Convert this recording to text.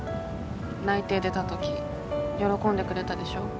内定出た時喜んでくれたでしょ。